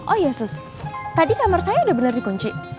oh iya sus tadi kamar saya sudah benar dikunci